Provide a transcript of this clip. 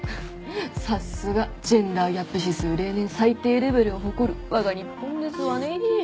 さすがジェンダー・ギャップ指数例年最低レベルを誇る我が日本ですわね。